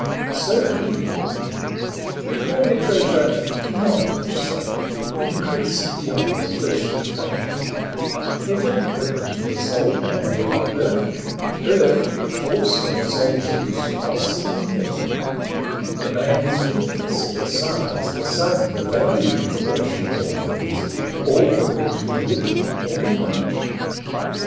So here — we call the treasure knowledge, say, Increased beyond the fleshly faculty — Heaven opened to a soul while yet on earth, Earth forced on a soul's use while seeing heaven : The man is witless of the size, the sum, 192 MEN AND WOMEN The value in proportion of all things, Or whether it be little or be much.